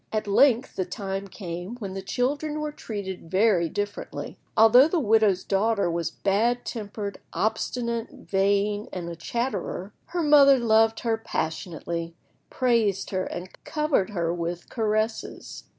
At length the time came when the children were treated very differently. Although the widow's daughter was bad tempered, obstinate, vain, and a chatterer, her mother loved her passionately, praised her, and covered her with caresses.